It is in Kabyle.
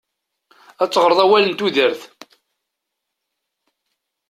Ad teɣreḍ awal n tudert.